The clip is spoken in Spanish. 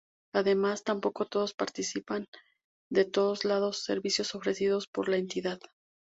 Además, tampoco todos participan de todos los servicios ofrecidos por la entidad.